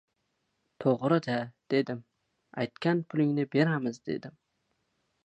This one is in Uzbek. — To‘g‘riga! — dedim. — Aytgan pulingni beramiz! — dedim.